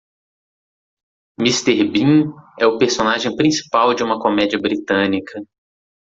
Mr. Bean é o personagem principal de uma comédia britânica.